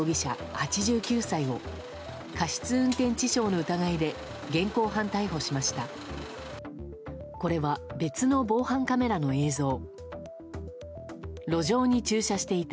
８９歳を、過失運転致傷の疑いで現行犯逮捕しました。